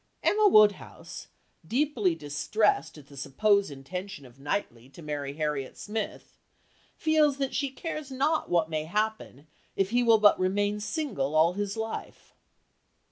Emma Woodhouse, deeply distressed at the supposed intention of Knightley to marry Harriet Smith, feels that she cares not what may happen, if he will but remain single all his life.